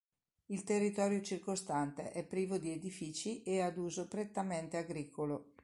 Il territorio circostante è privo di edifici e ad uso prettamente agricolo.